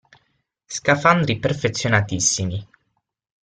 Scafandri perfezionatissimi.